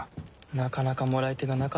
なかなかもらい手がなかったようじゃな。